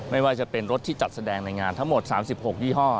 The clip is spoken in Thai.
ไม่ว่าจะเป็นรถที่จัดแสดงในงานทั้งหมด๓๖ยี่ห้อ